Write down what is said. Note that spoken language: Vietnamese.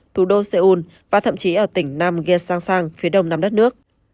thủ đô seoul và thậm chí ở tỉnh nam gye sang sang phía đông nam đất nước